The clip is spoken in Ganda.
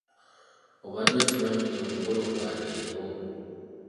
Obadde okimanyi nti omukolo gwa leero!